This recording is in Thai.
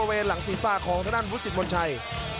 ใส่หลังซีซ่าของเท่านั้นพุษฤษมณ์ชัย